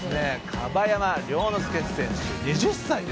樺山諒乃介選手２０歳ですね」